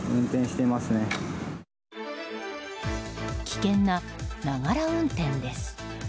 危険な、ながら運転です。